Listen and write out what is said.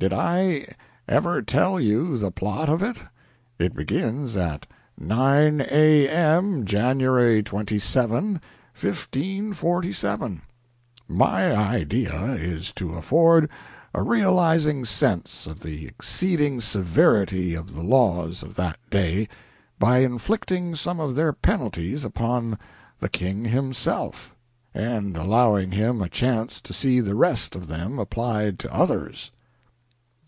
"Did I ever tell you the plot of it? It begins at 9 A.M., January 27, 1547 .... My idea is to afford a realizing sense of the exceeding severity of the laws of that day by inflicting some of their penalties upon the king himself, and allowing him a chance to see the rest of them applied to others."